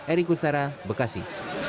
erik ustara bekasi